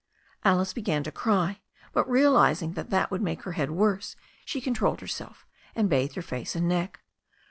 Alice began to cry, but realizing that that would make her head worse, she controlled herself, and bathed her face and neck.